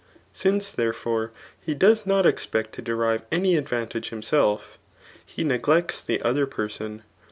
Since, th^efore, he does not expect to derive any ad vantage himself, he neglects the other person.